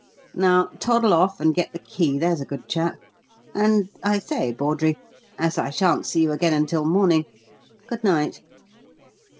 Now, toddle off and get the key, there's a good chap. And, I say, Bawdrey, as I shan't see you again until morning good night."